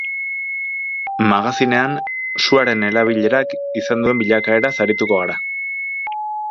Magazinean, suaren erabilerak izan duen bilakaeraz arituko gara.